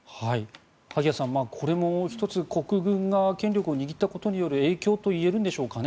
萩谷さん、これも１つ国軍が権力を握ったことによる影響といえるんでしょうかね。